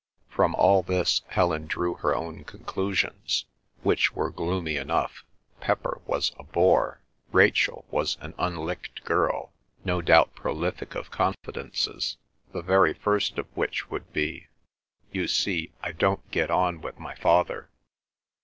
From all this Helen drew her own conclusions, which were gloomy enough. Pepper was a bore; Rachel was an unlicked girl, no doubt prolific of confidences, the very first of which would be: "You see, I don't get on with my father."